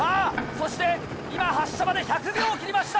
そして今発車まで１００秒を切りました。